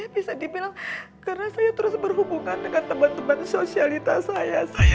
bisa dibilang karena saya terus berhubungan dengan teman teman sosialitas saya